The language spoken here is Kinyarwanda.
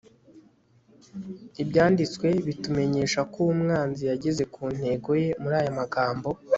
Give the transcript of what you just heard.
ibyanditswe bitumenyesha ko umwanzi yageze ku ntego ye muri aya magambo